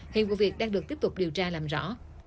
hiện vụ việc đang được tiếp tục điều tra làm rõ